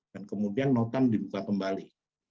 dan kemudian notam dibuka kembali